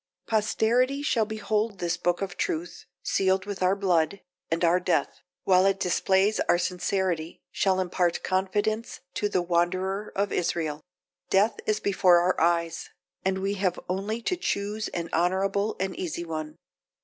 Posterity shall behold this book of truth, sealed with our blood; and our death, while it displays our sincerity, shall impart confidence to the wanderer of Israel. Death is before our eyes; and we have only to choose an honourable and easy one.